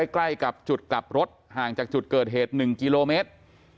ใกล้กับจุดกลับรถห่างจากจุดเกิดเหตุ๑กิโลเมตร